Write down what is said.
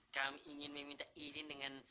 kami ingin meminta izin dengan